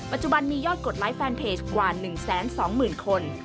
ปัจจุบันมียอดกดไลค์แฟนเพจกว่า๑๒๐๐๐คน